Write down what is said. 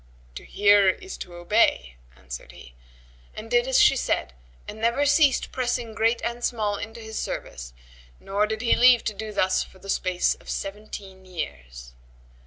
"To hear is to obey," answered he and did as she said, and never ceased pressing great and small into his service; nor did he leave to do thus for the space of seventeen years.